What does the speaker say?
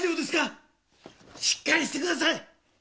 しっかりしてください！